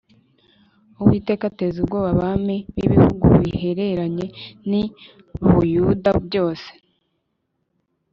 Uwiteka ateza ubwoba abami bibihugu bihereranye ni Buyuda byose